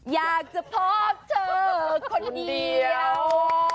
อยากจะพบเธอคนเดียว